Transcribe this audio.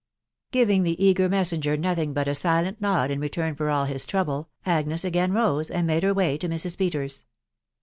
Giving the eager messenger nothing but a silent nod in .re turn for all his trouble, Agnes again rose, and made her way to Mrs. Peters.